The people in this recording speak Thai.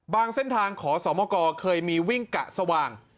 เส้นทางขอสมกเคยมีวิ่งกะสว่าง